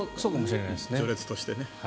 序列としてね。